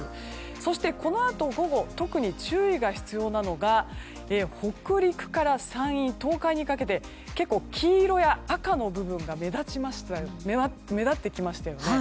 そしてこのあと午後、特に注意が必要なのが北陸から山陰、東海にかけて結構、黄色や赤の部分が目立ってきましたよね。